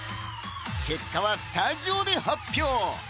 結果はスタジオで発表！